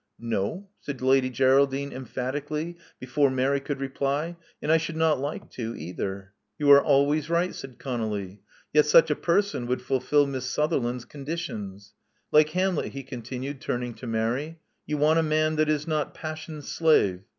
No," said Lady Geraldine emphatically, before Mary could reply; *'and I should not like to, either." Love Among the Artists 309 You are always right," said ConoUy. '*Yet such a person would fulfil Miss Sutherland's conditions. Like Hamlet," he* continued, turning to Mary, you want a man that is not Passion's slave.